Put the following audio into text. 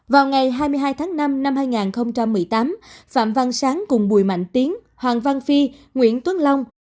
vào ngày hai mươi hai tháng năm năm hai nghìn một mươi tám phạm văn sáng cùng bùi mạnh tiến hoàng văn phi nguyễn tuấn long